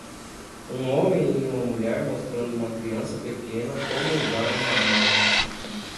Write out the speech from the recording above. Um homem e uma mulher mostrando uma criança pequena como usar uma arma.